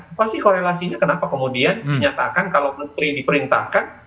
apa sih korelasinya kenapa kemudian dinyatakan kalau menteri diperintahkan